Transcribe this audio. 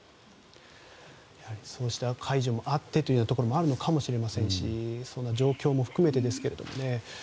そうした解除もあってということかもしれませんし状況も含めてですけど。